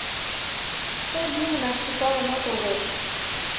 Тый лӱмынак шӱкалын отыл вет.